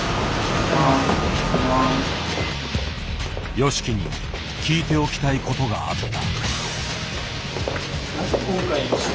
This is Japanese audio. ＹＯＳＨＩＫＩに聞いておきたいことがあった。